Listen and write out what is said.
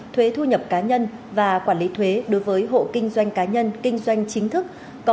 thuế thu nhập cá nhân và quản lý thuế đối với hộ kinh doanh cá nhân kinh doanh chính thức